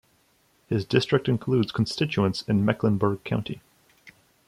His district includes constituents in Mecklenburg County.